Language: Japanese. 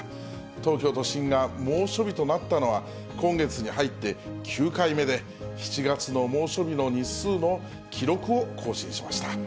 東京都心が猛暑日となったのは、今月に入って９回目で、７月の猛暑日の日数の記録を更新しました。